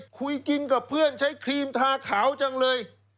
กินกับเพื่อนใช้ครีมทาขาวจังเลย